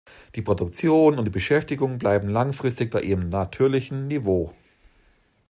Die Produktion und die Beschäftigung bleiben langfristig bei ihrem natürlichen Niveau.